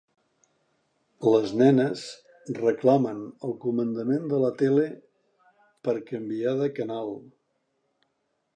Les nenes reclamen el comandament de la tele per canviar de canal.